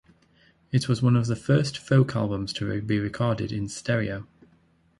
It was one of the first folk albums to be recorded in stereo.